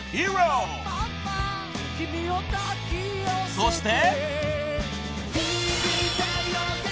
［そして］